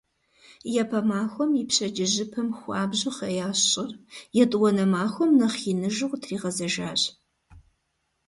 Япэ махуэм и пщэдджыжьыпэм хуабжьу хъеящ щӀыр, етӀуанэ махуэм нэхъ иныжу къытригъэзэжэщ.